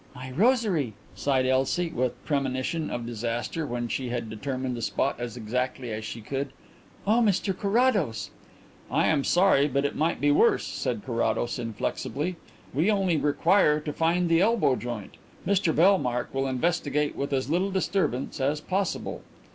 "My rosary!" sighed Elsie, with premonition of disaster, when she had determined the spot as exactly as she could. "Oh, Mr Carrados!" "I am sorry, but it might be worse," said Carrados inflexibly. "We only require to find the elbow joint. Mr Bellmark will investigate with as little disturbance as possible."